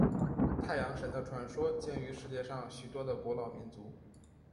太阳神的传说见于世界上许多的古老民族。